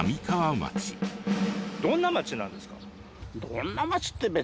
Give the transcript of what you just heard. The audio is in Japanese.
どんな町なんですか？